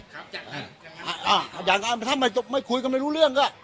ครับจัดการอ่าอ่าอยากกำลังไปทำไมจบไม่คุยกับไม่รู้เรื่องก็